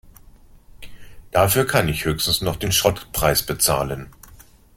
Dafür kann ich höchstens noch den Schrottpreis bezahlen.